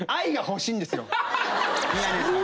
宮根さんは。